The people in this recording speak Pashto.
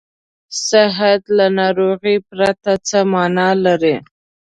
صحت له ناروغۍ پرته څه معنا لري.